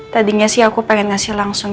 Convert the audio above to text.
tadinya sih aku pengen ngasih langsung